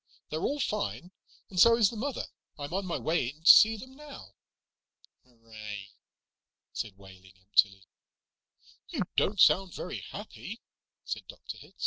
"They're all fine, and so is the mother. I'm on my way in to see them now." "Hooray," said Wehling emptily. "You don't sound very happy," said Dr. Hitz.